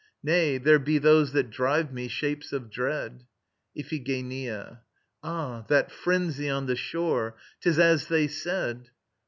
Nay: there be those that drive me, Shapes of Dread. IPHIGENIA. Ah! That frenzy on the shore! 'Tis as they said...